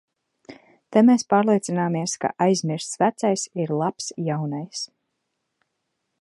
Te mēs pārliecināmies, ka aizmirsts vecais ir labs jaunais.